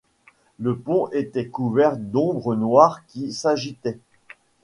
Le pont était couvert d’ombres noires qui s’agitaient.